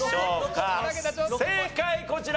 正解こちら！